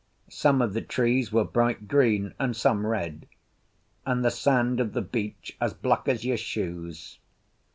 Some of the trees were bright green, and some red, and the sand of the beach as black as your shoes.